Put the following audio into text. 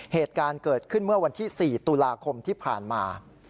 เหตุการณ์เกิดขึ้นเมื่อวันที่๔ตุลาคมที่ผ่านมา